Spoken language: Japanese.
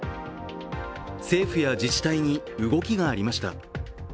政府や自治体に動きがありました。